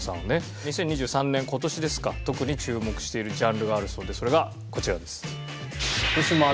２０２３年今年ですか特に注目しているジャンルがあるそうでそれがこちらです。